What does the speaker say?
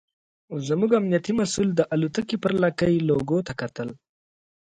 زموږ امنیتي مسوول د الوتکې پر لکۍ لوګو ته کتل.